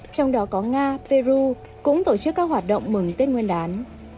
trong đó có nga peru cũng tổ chức các hoạt động mừng tết nguyên đán